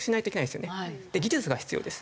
技術が必要です。